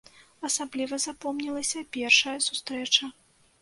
Асабліва запомнілася першая сустрэча.